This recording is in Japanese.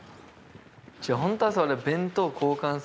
ホントは。